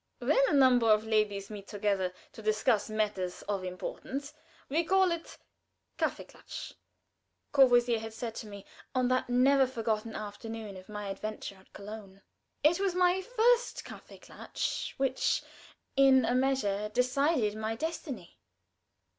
"When a number of ladies meet together to discuss matters of importance, we call it 'Kaffeeklatsch,'" Courvoisier had said to me on that never forgotten afternoon of my adventure at Köln. It was my first kaffeeklatsch which, in a measure, decided my destiny.